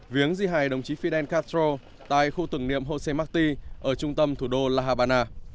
viếng di hài đồng chí fidel castro tại khu tưởng niệm jose marti ở trung tâm thủ đô la habana